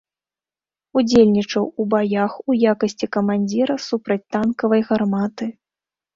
Удзельнічаў у баях у якасці камандзіра супрацьтанкавай гарматы.